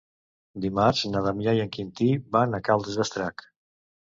Dimarts na Damià i en Quintí van a Caldes d'Estrac.